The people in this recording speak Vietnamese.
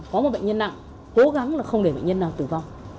có một bệnh nhân nặng cố gắng là không để bệnh nhân nào tử vong